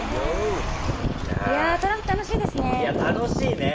いやトランプ楽しいですね。